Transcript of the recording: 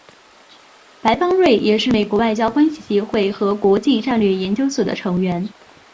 白邦瑞也是美国外交关系协会和国际战略研究所的成员。